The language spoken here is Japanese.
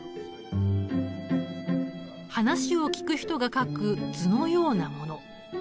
話を聞く人が書く図のようなもの。